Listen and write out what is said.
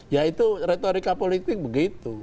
ya itu retorika politik begitu